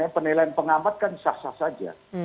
penilaian pengamat kan sah sah saja